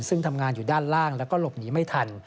ซึ่งทำงานอยู่ด้านล่างแล้วก็หลบหนีไม่ทัน